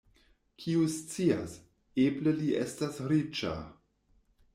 Kiu scias, eble li estas riĉa!